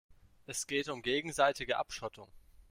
Es geht um gegenseitige Abschottung.